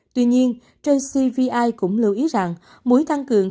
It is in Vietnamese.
tuy nhiên jcvi cũng lưu ý rằng mối tăng cường